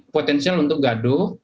potensial untuk gaduh